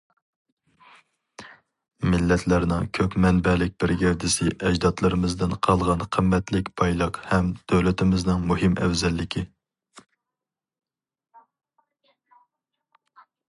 مىللەتلەرنىڭ كۆپ مەنبەلىك بىر گەۋدىسى ئەجدادلىرىمىزدىن قالغان قىممەتلىك بايلىق ھەم دۆلىتىمىزنىڭ مۇھىم ئەۋزەللىكى.